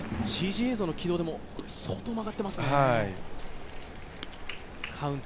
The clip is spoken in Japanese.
ＣＧ映像の軌道でも相当、曲がっていますよね。